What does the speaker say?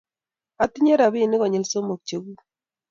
Atinye robinik konyil somok cheguuk